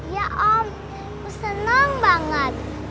gua mau beli